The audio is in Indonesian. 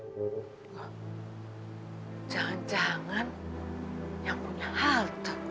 jangan jangan yang punya hal tuh